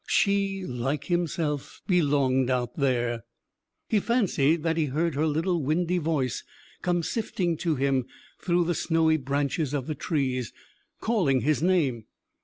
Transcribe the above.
She, like himself, belonged out there. He fancied that he heard her little windy voice come sifting to him through the snowy branches of the trees, calling his name